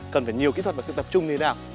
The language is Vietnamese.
cần phải nhiều kỹ thuật và sự tập trung như thế nào